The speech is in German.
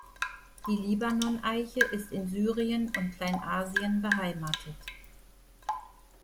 Die Libanon-Eiche ist in Syrien und Kleinasien beheimatet.